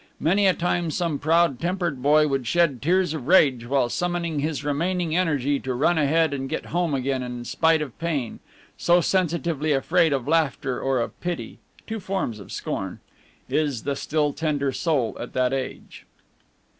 Many a time some proud tempered boy would shed tears of rage while summoning his remaining energy to run ahead and get home again in spite of pain, so sensitively afraid of laughter or of pity two forms of scorn is the still tender soul at that age.